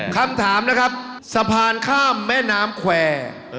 คำถามนะครับสะพานข้ามแม่น้ำแควร์